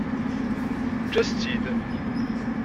Eǧǧ-as-tt-id.